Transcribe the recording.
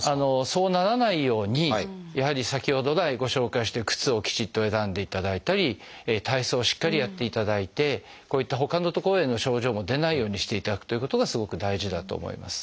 そうならないようにやはり先ほど来ご紹介してる靴をきちっと選んでいただいたり体操をしっかりやっていただいてこういったほかの所での症状も出ないようにしていただくということがすごく大事だと思います。